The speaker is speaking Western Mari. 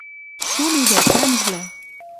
Шу лидӓ, тӓнгвлӓ!